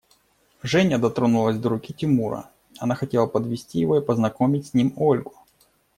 Женя дотронулась до руки Тимура: она хотела подвести его и познакомить с ним Ольгу.